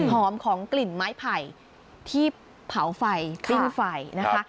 หอมของกลิ่นไม้ไผ่ที่เผาไฟปิ้งไฟนะคะ